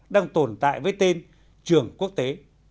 đang tồn tại với tên trường quốc tế